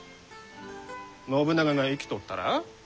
信長が生きとったら？